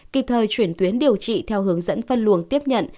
kịp thời chuyển tuyến điều trị theo hướng dẫn phân luồng tiếp nhận